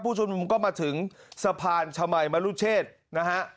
ชุมนุมก็มาถึงสะพานชมัยมรุเชษนะฮะ